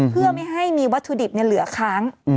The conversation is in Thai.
เพื่อไม่ให้มีวัตถุดิบเหลือค้าง